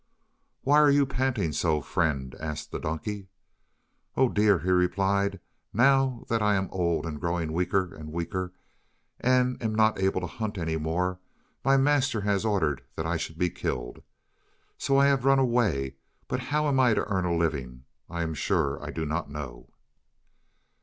"Why are you panting so, friend?" asked the donkey. "Oh, dear!" he replied. "Now that I am old and growing weaker and weaker, and am not able to hunt any more, my master has ordered that I should be killed. So I have run away, but how I am to earn a living I am sure I do not know."